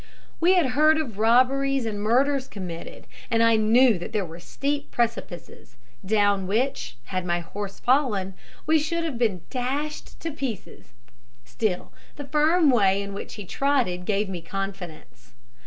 We had heard of robberies and murders committed; and I knew that there were steep precipices, down which, had my horse fallen, we should have been dashed to pieces. Still the firm way in which he trotted gave me confidence.